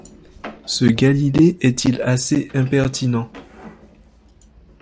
Ce Galilée est-il assez impertinent